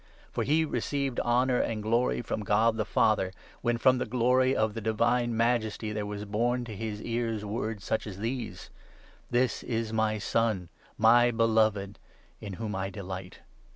For he received 17 honour and glory from God the Father, when from the Glory of the Divine Majesty there were borne to his ears words such as these —' This is my Son, my Beloved, in whom I delight.'